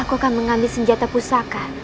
aku akan mengambil senjata pusaka